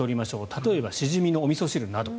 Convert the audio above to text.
例えばシジミのおみそ汁など。